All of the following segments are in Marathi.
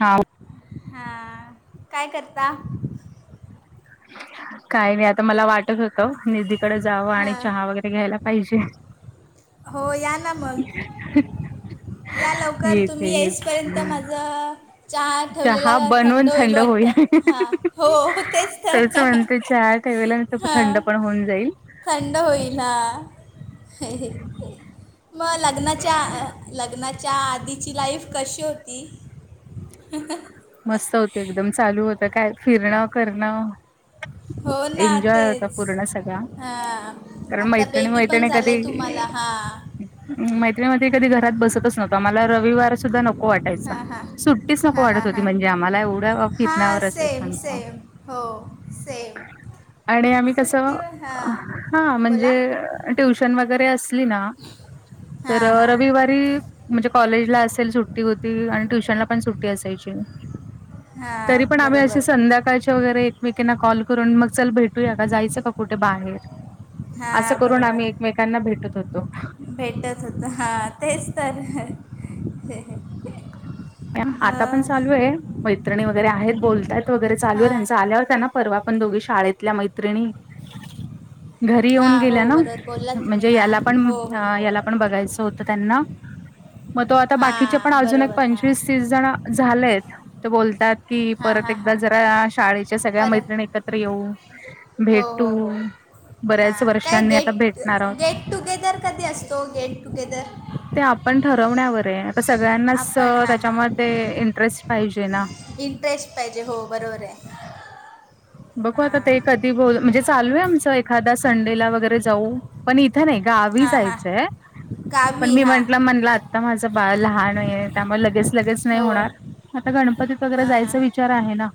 हा! हा काय करता? काही नाही आता मला वाटत हक निधीकडे जावं आणि हां चहा वगैरे घ्यायला पाहिजे. हो या ना मग! [inaudible] या लवकर तुम्ही येतेच येईसपर्यंत माझं चहा ठेवलेला थंड होईल वाटत, हा हो तेच तर. त्यावेळेला थंड हां पण होऊन जाईल. थंड होईल ना मग लग्नाच्या लग्नाच्या आधीची लाईफ कशी होती? मस्त होते एकदम चालू होत काय फिरणं करणं. हो ना एन्जॉय होता तेच पूर्ण सगळ हां कारण आता मैत्रिणी बेबी पण मैत्रिणी झालं कधी आहे तुम्हाला हां मैत्रीनि मधी कधी घरात बसतच नव्हतता मला रविवार सुद्धा नको वाटायचा. हां हां सुट्टीच नको हां वाटत हां होती हां म्हणजे आम्हाला एवढं हां फिरण्यावर असेय सेम समज. सेम हो सेम आणि आम्ही कसं सुट्टीवर हां हा बोला म्हणजे ट्युशन वगैरे असली ना तर हां हां रवी वारी म्हणजे कॉलेजला असेल सुट्टी होती आणि ट्युशनला पण सुट्टी असायची. तरी हां पण आम्ही अशी बरोबर संध्याका ळच्या वगैरे एकमेकींना कॉल करून मग चल भेटूया का? जायचं का कुठ बाहेर? हां असं करून आम्ही बरोबर एकमेकांना भेटत होतो. भेटत होत हा तेच तर! आता पण मग चालूये मैत्रिणी वैगेरे आहेत बोल त्यात वगैरे चालू हां त्यांच आल्यावरत त्यांना परवा पण दोघी शाळेतल्या मैत्रिणी घरी हां येऊन हो गेल्या ना, बरोबर बोललात तुम्ही म्हणजे हां याला पण हो हो हो याला बघायच होत त्यांना म तो आता बाकीच्या पण हां अजून एक बरोबर हां पंचवीस तिस जण झालेत. ते बोलतात की हां परत हां एकदा हां जरा शाळेच्या सगळ्या परत मैत्रिणी एकत्र येऊ भेटू हा बऱ्याच काय वर्षांनी आता गेट भेटणार आहोत गेट टुगेदर कधी असतो गेट टुगेदर? ते आपण ठरवण्यावर आहे तर सगळ्यांनाच आपण हां हां त्याच्यामध्ये इंटरेस्ट पाहिजे ना. फ्रेश पाहिजे हो बरोबर आहे. बघू आता ते हां कधी बोल म्हणजे चालू आहे आमचं एखादा्या संडेला वगैरे जाऊ. पण इथं नाही गावी हां हां जायचंय पण गावी मी हां म्हंटलं म्हणलं आता माझं बाळ लहानये. त्यामुळे लगेच लगेच नाही हो होणार. आता गणपतीत वगैरे हां हां जायचा विच विचार आहे ना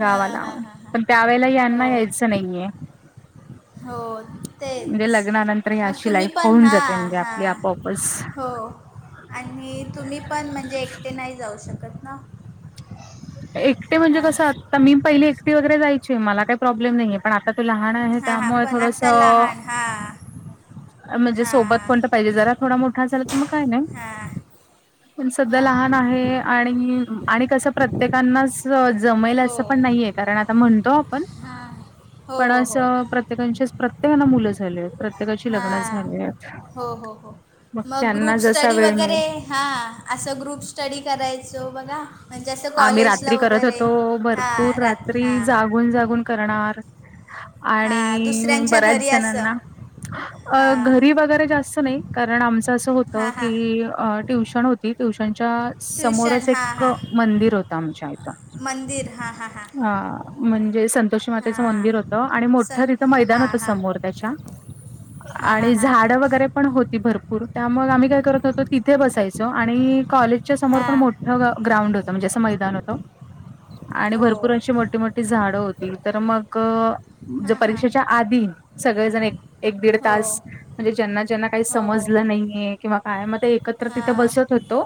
हां हां हां हां पण त्यावेेळेला हो यांना यायचं नहीये. हो.. तेच. म्हणजे लग्नानंतर ही मग अशी तुम्ही लाईफ पण होऊन हा.. जाते म्हणजे हा. आपली आपोआपच हो.. आणि तुम्ही पण म्हणजे एकटे नाही जाऊ शकत ना? एकट म्हणजे हां कसं? आत्ता मी पहिली एकटी वगैरे जायची मला काही प्रॉब्लेम नाहीये. पण आता तो लहान आहे. हां हां त्यामुळे पण थोडस आत्ता लहान हां म्हणजे सोबत हां कोणत पाहिजे जरा. थोडा मोठा झाला तर मग काय नाही? हां पण सध्या हां लहान आहे. आणि आणि कस प्रत्य प्रत्येकांनाच जमेल हो असं पण नाहीये? कारण आता म्हणतो आपण हां हो पण.. हो अस हो प्रत्येकाचेच प्रत्येकाना मुलं झालेयेत. प्रत्येकाची लग्न हां झालीये. हो हो हो मग त्यांना जसा वेळ मिळेल हा.. अस ग्रुप स्टडी करायचो बघा? म्हणजे असं आम्ही कॉलेजला रात्री करत वगैरे होतो. हां भरपूर रात रात्री हां जाग गुण जागून करणार. हां आणि दुसऱ्यांच्या बऱ्याच घरी जणांना. असं अ हां घरी वगैरे जास्त नाही? कारण आमचं असं होतं हां की हां ट्युशन होती. ट्युशनच्या ट्युशन समोरच हां एक हां मंदिर होत आमच्या इथ. हा.. हा.. हा. अ.. म्हणजे संतोषी मातेच मंदिर होत हां आणि मोठ सन तिथं मैदान हां होत हां समोर त्याच्या. हां हां आणि हां झाड वगैरे पण हो भरपूर त्या मग आम्ही काय करत होतो. तिथे बसायचो आणि कॉलेजच्या समोर पण हां मोठ हो.. ग्राउंड होत म्हणजे अस मैदान होत. आणि हो भरपूर अशी मोठी मोठी झाडं होती. तर मग जे हां हां परीक्षेच्या आधी सगळेजण एक एक दीड हो तास म्हणजे ज्यांना ज्यांना काही हो हो समजलं नाहीये? किंवा काय मग ते एकत्र तिथं हां बसत होतो.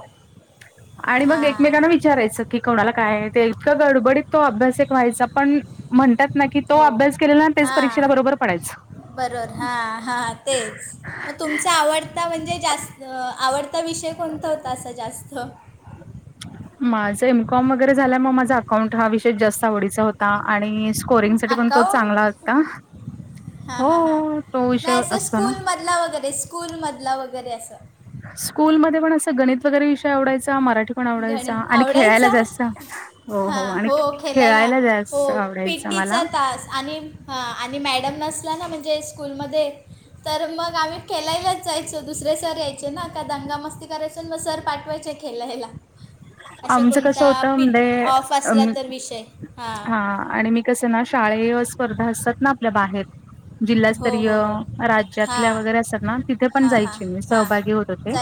आणि मग हां एकमेकांना विचार विचारायच की कोणाला काय? ते इतकं गडबडीत तो अभ्यास एक व्हायचा पण म्हणतात ना की तो हो अभ्यास केलेला ना? तेच हां परीक्षेला बरोबर पडायच. बरोबर. हा.. हा.. तेच मग तुमच आवड आता म्हणजे जास्त आवडता विषय कोणता होता? असा जास्त? [inaudible] माझं एमकॉम वगैरे झाल. मग माझा अकाउंट हा विषय जास्त आवडीचा होता. आणि स्कोरिंग साठी पण तो चांगला अकाऊंट होता. हो.. तो विषय असतो ना? मधला वगैरे स्कूल मधला वगैरे अस स्कूलमध्ये पण अस गणित वगैरे विषय आवडायचा. मराठी पण आवडायचा गणित आणि खेळायला आवडायचा जास् हो हो आणि खेळायला जास् हो पी टीचा तास आणि आणि मॅडम नसला ना म्हणजे स्कूलमध्ये तर मग आम्ही खेलायलाच जायचो दुसरे सर यायचे ना का दंगा मस्ती करायचो मग सर पाठवायचे. खेलायला. आमचं कसं होतं म्हणजे ऑफ असला तर विषय हां हा आणि मी कसं ना शाळे स्पर्धा असतात ना आपल्या बाहेर हो जिल्हास्तरीय हो हो राज्यातल्या हां वगैरे असतात ना तिथे पण हां जायचे मी सहभागी होत होते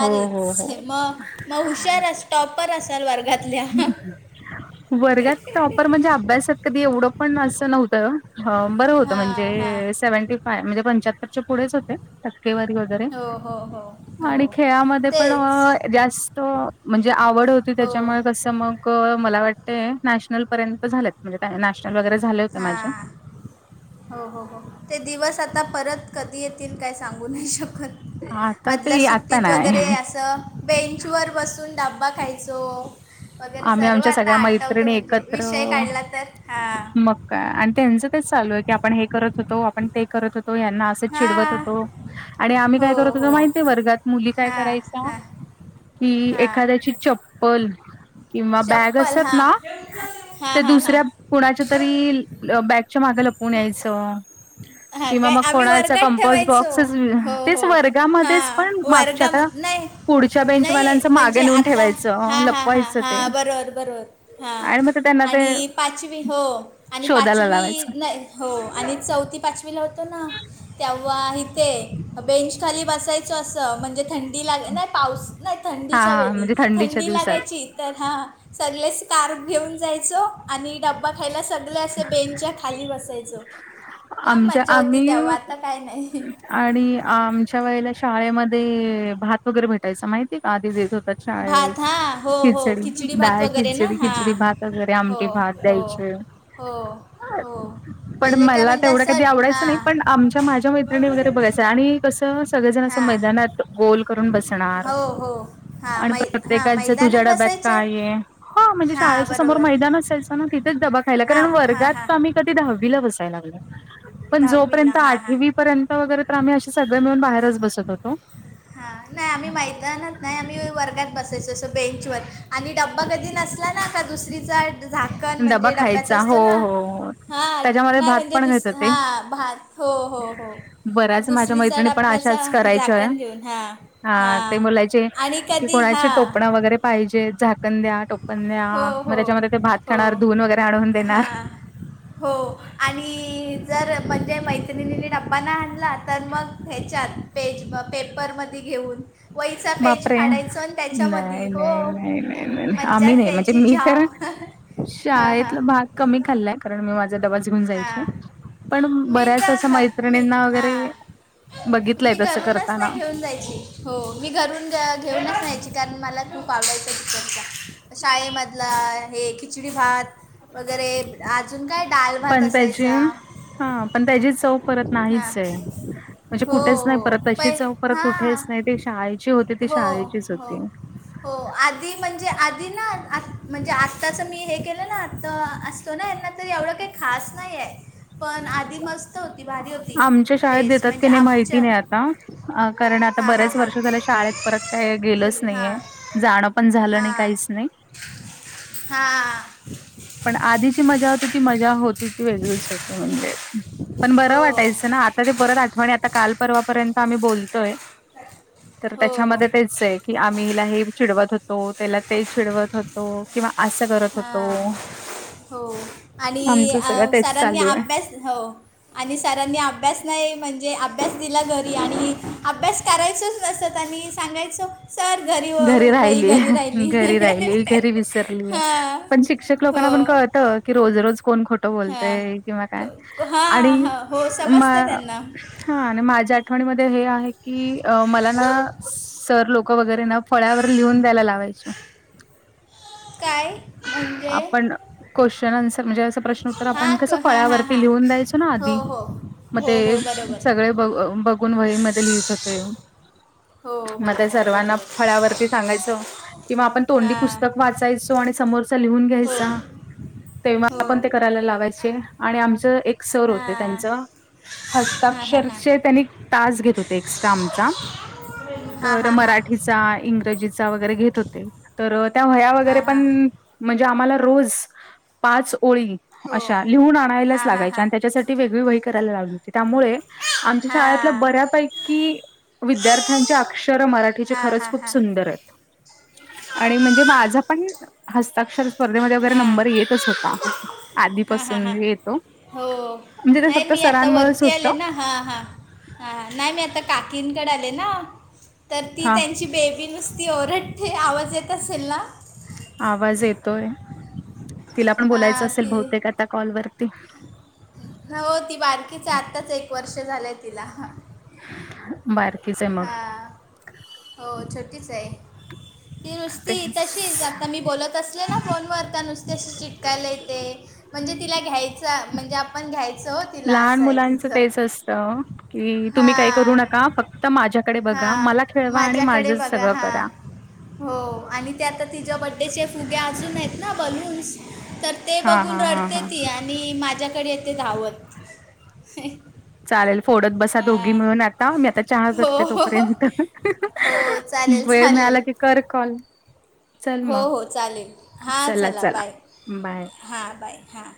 हो हो हो मग मग हुशार अस टॉपर असाल वर्गातल्या वर्गात टॉपर म्हणजे अभ्यासात. कधी एवढं पण अस नव्हतं बरं होतं हां हां म्हणजे सेव्हटी काय म्हणजे पंच्याहत्तरच्या पुढेच होते. टक्केवारी वर हो.. हो.. हो. हो आणि खेळामध्ये पण तेच जास्त म्हणजे आवड होती. हो त्याच्यामुळे अस मग मला वाटतय नॅशनल पर्यंत झालेत. म्हणजे नॅशनल वगैरे झाले होते माझे. हां हो.. हो.. हो. ते दिवस आता परत कधी येतील काय सांगू नाही शकत? आता मधल्या ते आता सुट्टीत वगैरे नाही. अस बेंच वर बसून डबा खायचो. वगैरे आम्ही सर्व आमच्या आता सगळ्या आठवते मैत्रिणी म्हणजे एकत्र विषय काढला तर हां मग का आणि त्यांच तेच चालू आहे की आपण हे करत होतो, आपण ते करत होतो, यांना अस असं चीडवत हां होतो आणि आम्ही हो काय करत होतो हो माहितीय, वर्गात मुली काय हां करायचा हां कि हां एखाद्याची चप्पल किंवा बॅग चप्पल असतात हां ना, हां ते हां हां दुसऱ्या कुणाच्या तरी बॅगच्या माग लपवून यायचं. हां किंवा काय मग आम्ही कोणाचा वर्गात कम्पोस्ट ठेवायचो बॉक्सस हो तेच हो वर्गामध्येच हां पण मागच्या वर्गा आता नाही पुढच्या नाही बेंचवाल्यांचं मागे म्हणजे नेऊन आता ठेवायचं, हां हां हां लपवायचं ते. हां बरोबर बरोबर हां, आणि मग ते त्यांना ते आणि पाचवी हो, आणि शोधायला पाचवी लावायचं. नाही हो, आणि चौथी, पाचवीला होत ना तेव्हा इथे बेंच खाली बसायच अस, म्हणजे थं थंडी लाग नाही, पाऊस नाही हा थंडीच्या हा वेळी, म्हणजे थंडीच्या थंडी दिवसात. लागायची, तर हा. सगळे स्कार्फ घेऊन जायचो आणि ड ब्बा खायला सगळे असे बेंच च्या खाली बसायचो. जाम आमच्या, मजा होती आम्ही तेव्हा आता काय नाही आणि आमच्या वेळेला शाळेमध्ये भात वगैरे भेटायचा माहितीय का, आधी देत होत शाळेत भात हां हो हो खिचडी, भात डाळ वगैरे ना खिचडी, खिचडी हां भात कधीतरी हो आमटी भात हो द्यायचे. हो. हो पण पहिले काय मला म्हणजे तेवढं कधी असं आवडायचं हां नाही. पण आमच्या, माझ्या मैत्रिणी वगैरे बघायच. आणि कस सगळेजण अस, हां मैदानात गोल करून बसणार. हो हो हां आणि मै हां प्रत्येकाच तुझ्या मैदानात डब्यात बसायचे काय आहे. ह म्हणजे हां शाळेच्या समोर बरोबर मैदान असायच. पण मग तिथेच डबा खायला, हां कारण हां हां वर्गात आम्ही कधी दहावीला बसायला लागल. पण जोपर्यंत दहावीला हां हां आठवी पर्यंत वगैरे तर, आम्ही असे सगळे मिळून बाहेरच बसत होतो हा, नाही, आम्ही मैदानात नाही, आम्ही वर्गात बसत त्याच्या असं बेंच वर, आणि डब्बा कधी नसला ना, का दुसरीचा झाकण. डबा म्हणजे डब्याच खायचा असतो हो ना, हो हा त्याच्यामध्ये नाही, भात म्हणजे पण दुस मिळत होते. हा भात हो हो हो. बऱ्याच माझ्या दुसरीचा मैत्रणी पण डब्याचा अशाच करायच्या झाकण घेऊन हा हा हात्या बोलायच्या आणि कधी कोणाची हा टोपण वगैरे पाहिजेत झाकण द्या, टोपण द्या, हो मग हो त्याच्यामध्ये ते भात हो खाणार, धुवून वगैरे आणवून देणार. हा हो आणि जर म्हणजे, मैत्रिणीनी डब्बा नाही आणला तर मग ह्याच्यात पेज पेपरमध्ये घेऊन वहीचा पेज बापरे! फाडायचो आणि त्याच्यामध्ये नाही.. नाही.. हो नाही.. नाही नाही नाही आम्ही मज्जाच नाही म्हणजे यायची मी तर जाम हां हां शाळेतला भात कमी खाल्ला कारण मी माझा डब्बा घेउन जायचे हां पण मी बऱ्याच तर अशा घ मी मैत्रणी वगैरे हां बघितलंय मी तसं घरूनच करताना. नाही घेऊन जायची हो, मी घरून घेऊनच जायची, कारण मला खूप आवडायचं [unintelligible] शाळेमधला हे खिचडी भात, वगैरे अजून काय डाल भात, त्याजी असायचा हा, पण त्याची चव परत नाहीच हां आहे. म्हणजे हो कुठेच नाही हो परत. तशी पै चव परत हां कुठेच नाही. ते शाळेची होती ती हो शाळेचीच हो होती. हो आधी, म्हणजे आधी ना, म्हणजे आत्ताच मी हे केलं ना, आता अस तो ना यंदा तर एवढं काही खास नाही आहे. पण आधी मस्त होती, भारी होती. आमच्या शाळेत टेस्ट देतात म्हणजे की नाही माहिती आपच्या नाही आता. अ कारण आता हां हां बऱ्याच हां वर्ष झाल्या शाळेत परत काय गेलंच नाहीये. हां जाणं पण झालं नाही काहीच नाही. हा. पण आधीची मजा होती. ती मजा होती ती वेगळीच होती. म्हणजे पण बरं हो वाटायचं ना आ आता ती परत आठवणी, आता काल परवा पर्यंत आम्ही बोलतोय, तर हो त्याच्यामध्ये तेच आहे. कि आम्हीला हे चिडवत होतो त्याला ते चिडवत होतो किंवा असं करत हां होतो. हो आणि आमचं सगळं तेच सरांनी चालू आहे अभ्यास हो. आणि सरांनी अभ्यास नाही म्हणजे अभ्यास दिला घरी आणि अभ्यास. करायचच नसत आणि सांगायचं. सर घरी. घरी व- वही राहिलीय घरी राहिली घरी राहिली घरी विसरलीय. हां पण शिक्षक हो लोकांना पण कळत की रोजरोोज कोण खोट हां बोलतय किंवा काय हां आणि हां हो म. समजतं त्यांना हा आणि माझ्या आठवणीमध्ये हे आहे की मला ना सर लोक वगैरे ना. फळावर लिहून द्यायला लावायच काय म्हणजे आपण. क्वेश्चन आन्सर म्हणजे असं प्रश्न उत्तर आपण हां कसं क- हां हां पळ्यावरती हां लिहून द्यायचो ना हो आधी. हो मग हो ते हो बरोबर सगळे ब बघून वही म लिहित होते. हो हो हो बरोबर. ळवरती सांगायच किं आपण तोंडी हां पुस्तक वाचायचो आणि समो लिहून हो घ्यायचा तेव्हा हो आपण ते करायला लावायचे आणि आमच एक. अ सर होते हां त्यांच. हां हां हां हस्ताक्षरचे त्यांनी तास घेत होते एक्स्ट्रा आमचा. हा तर हा हा मराठीचा इंग्रजीचा वगैरे घेत होते तर त्या वया हा वगैरे हा पण. म्हणजे आम्हाला रोज पाच ओळी हो अशा लिहून आणायलाच हा हा लागायच्या हा आणि त्याच्यासाठी. वेगळी व करायला लागली होती त्यामुळे. आमच्या हा हा शाळेतल्या बऱ्यापैकी विद्यार्थ्यांचे अक्षर मराठीचे हा हा हा बर आणि मग म्हणजे मा पण हता. स्पर्धेमध्ये वगैरे नंबर येतच होता हा हा हा आधीपासून येतो. हो म्हणजे ते नाही फक्त मी आता सरांमुळेच वरती होतं. आले ना हा हा. हा नाही मी आता काकींकडे आले ना तर ती हा त्यांची बेबी नुसते. ती ओरड ठे आवाज येत असेल ना. आवाज येतोय तिला पण हा बोलायचं असेल ती बहुतेक आता कॉलवररती. हो ती बारकीच आत्ताच एक वर्ष झालंय तिला. बर. हा हो छोटीच आहे. ती ते नुस्ती तशीच आता मी बोलत अस. आपल्या ना फोनवरता नुसत्या चिटकायला येते म्हणजे तिला घ्यायच म्हणजे आपण घ्यायच. लहान मुलांच तेच असत की तुम्ही काही करू हां नका फक्त माझ्या. डे बघा हां मला खेळवा आणि माझ्याकडे माझं बघा सगळं हां करा. हो आणि त्या आता तिच्या ब. फुगे आजून आहेत ना बलून्स तर ते हा बघून हा हा रडते हा ती आणि. आणि माझ्याकडे येते धावत. चालेल फोडत बसा दोघी हां मिळून आता मी आता चहा हो करते हो तोपर्यंत. हो चालेल. मला चालेल क कर कॉल. चल हो मग. हो चालेल हां चला बाय बाय. हां बाय हां.